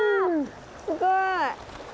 すごい。